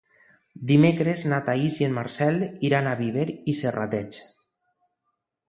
Dimecres na Thaís i en Marcel iran a Viver i Serrateix.